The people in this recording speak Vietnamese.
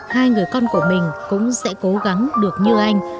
hai người con của mình cũng sẽ cố gắng được như anh